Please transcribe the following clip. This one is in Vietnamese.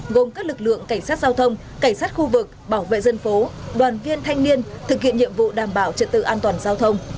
gồm các lực lượng cảnh sát giao thông cảnh sát khu vực bảo vệ dân phố đoàn viên thanh niên thực hiện nhiệm vụ đảm bảo trật tự an toàn giao thông